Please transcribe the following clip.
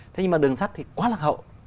thế nhưng mà đường sắt thì quá lạc hậu